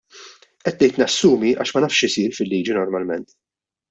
Qed ngħid nassumi, għax ma nafx x'isir fil-liġi normalment.